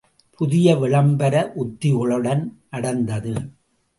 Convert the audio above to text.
புதிய விளம்பர உத்திகளுடன் நடந்தது!